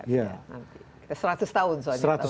ya seratus tahun soalnya